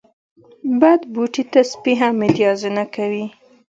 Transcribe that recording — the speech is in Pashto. بد بوټي ته سپي هم متازې نه کوی.